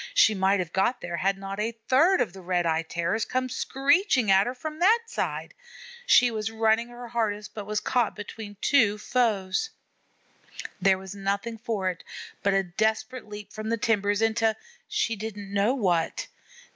She might have got there had not a third of the Red eyed Terrors come screeching at her from that side. She was running her hardest, but was caught between two foes. There was nothing for it but a desperate leap from the timbers into she didn't know what.